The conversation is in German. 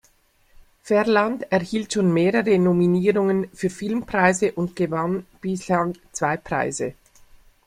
Ferland erhielt schon mehrere Nominierungen für Filmpreise und gewann bislang zwei Preise.